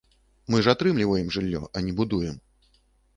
Мы ж атрымліваем жыллё, а не будуем.